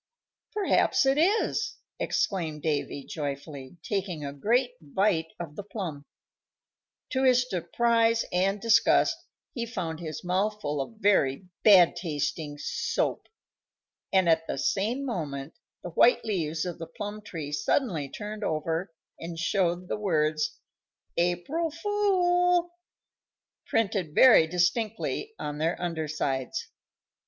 "Perhaps it is!" exclaimed Davy, joyfully, taking a great bite of the plum. To his surprise and disgust he found his mouth full of very bad tasting soap, and at the same moment the white leaves of the plum tree suddenly turned over and showed the words "APRIL FOOL" printed very distinctly on their under sides.